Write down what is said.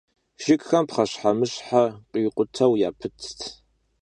Jjıgxem pxheşhemışhe khikhuteu yapıtt.